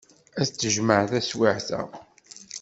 Ad t-tejmeɛ taswiɛt-a.